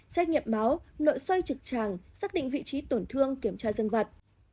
xét nghiệm máu nội soi trực tràng xác định vị trí tổn thương kiểm tra dân vật